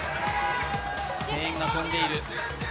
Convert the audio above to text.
声援が飛んでいる。